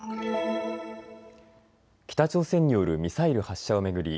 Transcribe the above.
北朝鮮によるミサイル発射を巡り